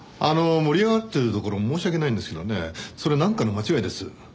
あの盛り上がってるところ申し訳ないんですけどねそれなんかの間違いです。